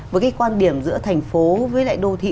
với cái quan điểm giữa thành phố với lại đô thị